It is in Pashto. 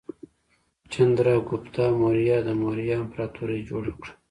چندراګوپتا موریا د موریا امپراتورۍ جوړه کړه.